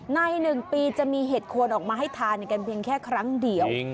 ใน๑ปีจะมีเห็ดโคนออกมาให้ทานกันเพียงแค่ครั้งเดียว